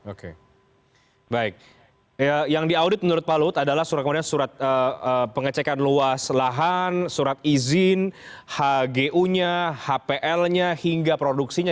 oke baik yang diaudit menurut pak luhut adalah surat kemudian surat pengecekan luas lahan surat izin hgu nya hpl nya hingga produksinya